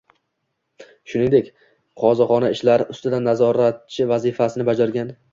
Shuningdek, qozixona ishlari ustidan nazoratchi vazifasini bajargan.